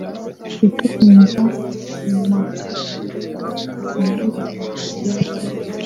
gutumiza mu mahanga cyane bihombya igihugu